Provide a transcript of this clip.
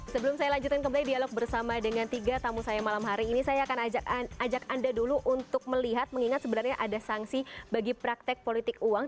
sebelum saya lanjutkan kembali dialog bersama dengan tiga tamu saya malam hari ini saya akan ajak anda dulu untuk melihat mengingat sebenarnya ada sanksi bagi praktek politik uang